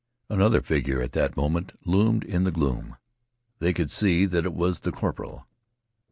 Another figure at that moment loomed in the gloom. They could see that it was the corporal.